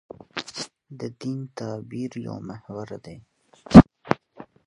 د دین تعبیر یو محور دی.